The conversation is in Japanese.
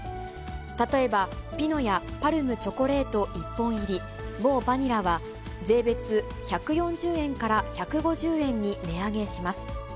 例えばピノや、パルムチョコレート１本入り、モウバニラは、税別１４０円から１５０円に値上げします。